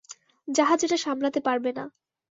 জাহাজ এটা সামলাতে পারবে না।